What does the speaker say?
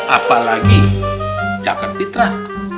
apalagi cakap fitrah